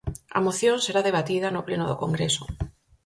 A moción será debatida no Pleno do Congreso.